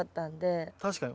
確かに。